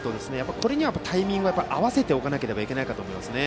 これにタイミングを合わせておかなければいけないと思います。